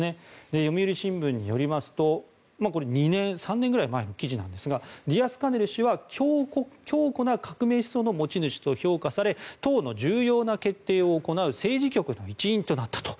読売新聞によりますとこれは３年ぐらい前の記事なんですがディアスカネル氏は強固な革命思想の持ち主と評価され党の重要な決定を行う政治局の一員となったと。